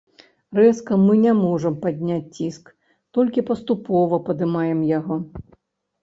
Рэзка мы не можам падняць ціск, толькі паступова падымаем яго.